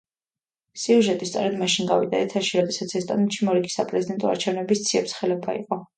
სიუჟეტი სწორედ მაშინ გავიდა ეთერში, როდესაც ესტონეთში მორიგი საპრეზიდენტო არჩევნების ციებ-ცხელება იყო.